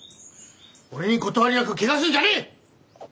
俺に断りなくけがするんじゃねえ！